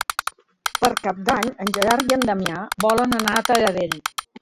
Per Cap d'Any en Gerard i en Damià volen anar a Taradell.